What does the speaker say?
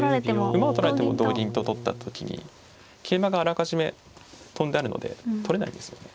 馬を取られても同銀と取った時に桂馬があらかじめ跳んであるので取れないんですよね。